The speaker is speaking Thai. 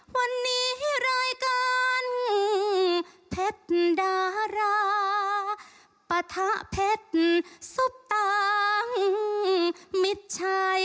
วันนี้รายการเพชรดาราปะทะเพชรซุปตางมิดชัย